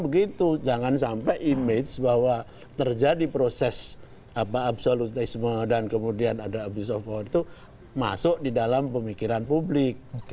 begitu jangan sampai image bahwa terjadi proses absolutisme dan kemudian ada abuse of power itu masuk di dalam pemikiran publik